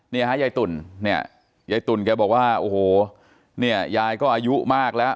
นี่ฮะยายตุ๋นยายตุ๋นแกบอกว่าโอ้โหยายก็อายุมากแล้ว